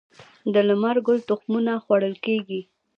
د لمر ګل تخمونه خوړل کیږي